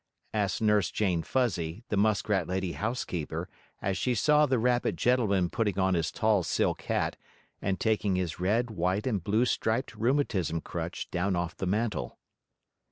asked Nurse Jane Fuzzy, the muskrat lady housekeeper, as she saw the rabbit gentleman putting on his tall silk hat, and taking his red, white and blue striped rheumatism crutch down off the mantel.